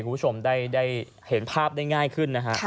คุณผู้ชมได้เห็นภาพได้ง่ายขึ้นนะฮะ